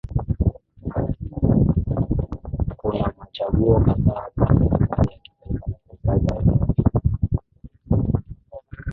Kuna machaguo kadhaa kwa serikali ya kitaifa na serikali za eneo ili